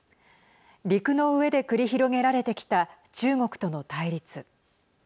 陸の上で繰り広げられてきた中国との対立。